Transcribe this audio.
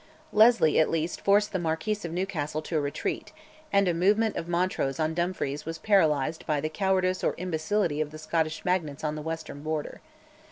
Leslie, at least, forced the Marquis of Newcastle to a retreat, and a movement of Montrose on Dumfries was paralysed by the cowardice or imbecility of the Scottish magnates on the western Border.